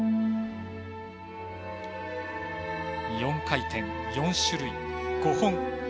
４回転４種類５本。